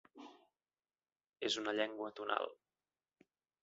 És una llengua tonal.